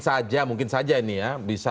saja mungkin saja ini ya bisa